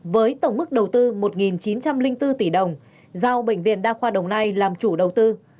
với tổng mức đầu tư một chín trăm linh bốn tỷ đồng giao bệnh viện đa khoa đồng nai làm chủ đầu tư